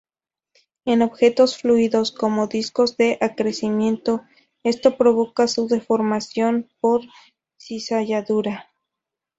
En objetos fluidos, como discos de acrecimiento, esto provoca su deformación por cizalladura.